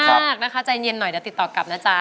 ห๊ะไหว้อยากเดี๋ยวมากนะคะใจเย็นหน่อยแล้วติดต่อกับนะจ๊ะ